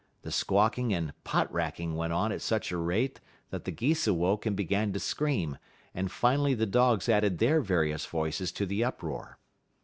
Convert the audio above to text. The squawking and pot racking went on at such a rate that the geese awoke and began to scream, and finally the dogs added their various voices to the uproar.